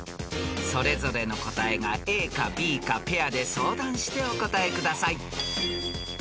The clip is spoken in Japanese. ［それぞれの答えがＡかＢかペアで相談してお答えください］